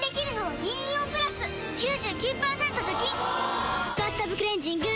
・おぉ「バスタブクレンジング」